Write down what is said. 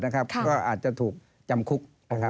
ก็อาจจะถูกจำคุก